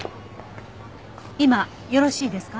今よろしいですか？